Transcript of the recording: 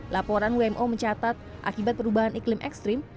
laporan wmo mencatat akibat perubahan iklim ekstrim